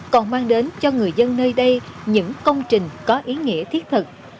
còn mang đến cho người dân nơi đây những công trình có ý nghĩa thiết thực